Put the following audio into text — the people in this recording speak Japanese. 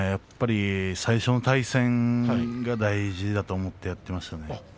最初の対戦が大事だと思ってやっていましたね。